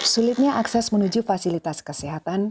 sulitnya akses menuju fasilitas kesehatan